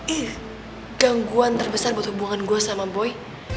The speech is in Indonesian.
iya gangguan terbesar buat hubungan gue sama boy